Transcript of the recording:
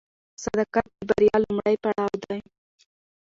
صداقت د بریا لومړی پړاو دی.